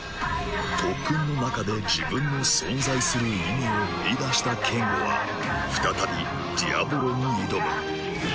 特訓の中で自分の存在する意味を見いだしたケンゴは再びディアボロに挑むテヤッ！